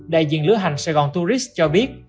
đại diện lữ hành saigon tourist cho biết